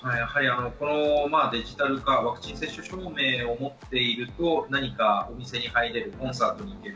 デジタル化、ワクチン接種証明を持っていると、何かお店に入れる、コンサートに行ける。